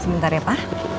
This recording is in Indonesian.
sebentar ya pa